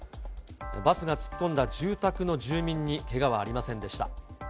バスが突っ込んだ住宅の住民にけがはありませんでした。